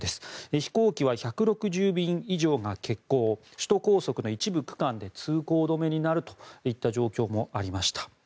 飛行機は１６０便以上が欠航首都高速の一部区間で通行止めになるといった状況もありました。